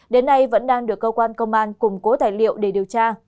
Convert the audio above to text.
đến nay vẫn đang được cơ quan công an củng cố tài liệu để điều tra